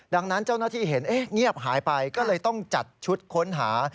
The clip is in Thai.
ดังนั้นเจ้าหน้าที่เห็นเงียบหายไปก็เลยต้องจัดชุดค้นหา